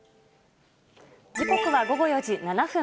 時刻は午後４時７分。